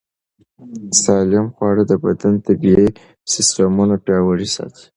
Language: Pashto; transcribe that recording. سالم خواړه د بدن طبیعي سیستمونه پیاوړي ساتي.